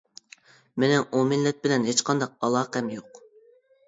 مېنىڭ ئۇ مىللەت بىلەن ھېچقانداق ئالاقەم يوق.